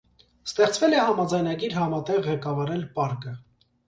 Ստեղծվել է համաձայնագիր համատեղ ղեկավարել պարկը։